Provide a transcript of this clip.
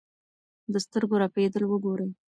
د سترګو رپېدل وګورئ.